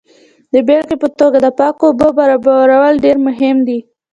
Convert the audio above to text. د بیلګې په توګه د پاکو اوبو برابرول ډیر مهم دي.